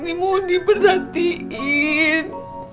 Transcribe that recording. ini mau diperhatiin